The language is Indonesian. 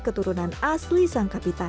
keturunan asli sang kapitan